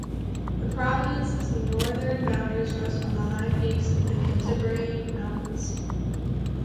The province’s northern boundaries rest on the high peaks of the Cantabrian Mountains.